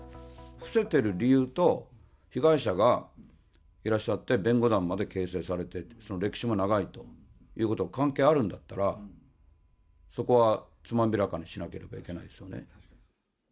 伏せてる理由と、被害者がいらっしゃって、弁護団まで形成されて、その歴史も長いということが関係あるんだったら、そこはつまびらかにしなければいけないですよね。